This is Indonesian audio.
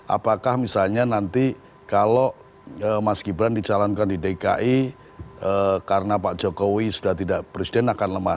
apakah misalnya nanti kalau mas gibran dicalonkan di dki karena pak jokowi sudah tidak presiden akan lemah